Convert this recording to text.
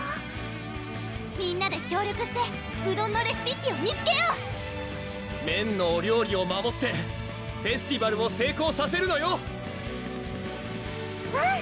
みんなで協力してうどんのレシピッピを見つけよう麺のお料理を守ってフェスティバルを成功させるのようん！